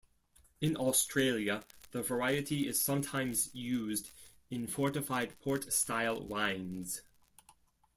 In Australia, the variety is sometimes used in fortified port-style wines.